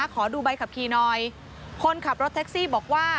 ขอดูใบขับขี่หน่อยคนขับรถแท็กซี่บอกว่า